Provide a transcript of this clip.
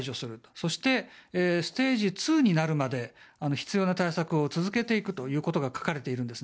そして、ステージ２になるまで必要な対策を続けていくと書かれているんです。